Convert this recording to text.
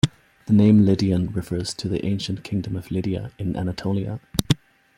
The name Lydian refers to the ancient kingdom of Lydia in Anatolia.